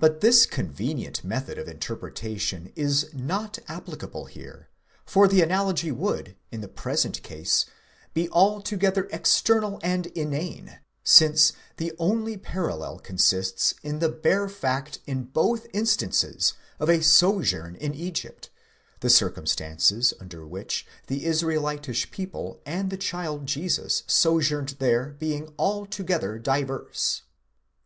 But this convenient method of interpretation is not applicable here, for the analogy would, in the present case, be altogether external and inane, since the only parallel consists in the bare fact in both instances of a sojourn in Egypt, the circumstances under which the Israelitish people and the child Jesus sojourned there being altogether diverse.!